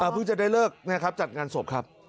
เพิ่งจะได้เลิกนะครับจัดงานศพครับ